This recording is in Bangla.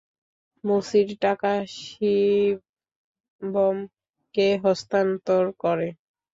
মুসির টাকা শিবমকে হস্তান্তর করে।